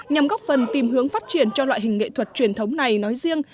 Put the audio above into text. nhằm góp phần tìm hướng phát triển cho loại hình nghệ thuật truyền thống này nói riêng